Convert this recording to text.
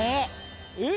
えっ？